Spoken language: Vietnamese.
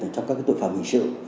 trong các cái tội phạm hình sự